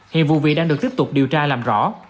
hiện vụ việc đang được tiếp tục điều tra làm rõ